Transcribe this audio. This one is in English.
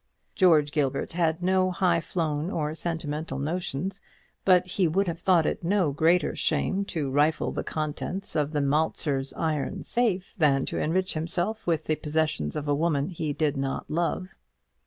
George Gilbert had no high flown or sentimental notions; but he would have thought it no greater shame to rifle the contents of the maltster's iron safe, than to enrich himself with the possessions of a woman he did not love.